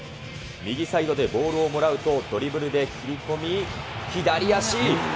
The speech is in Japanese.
右サイドでボールをもらうと、ドリブルで切り込み、左足。